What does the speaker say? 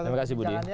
terima kasih budi